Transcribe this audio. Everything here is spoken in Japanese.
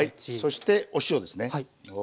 そしてお塩ですね。